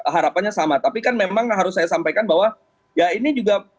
harapannya sama tapi kan memang harus saya sampaikan bahwa ya ini juga